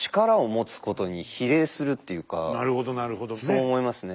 そう思いますね。